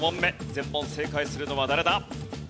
全問正解するのは誰だ？